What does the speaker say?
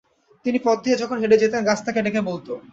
তিনি পথ দিয়ে যখন হেঁটে যেতেন, গাছ তাঁকে ডেকে বলত।